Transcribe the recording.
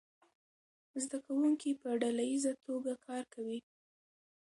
زده کوونکي په ډله ییزه توګه کار کوي.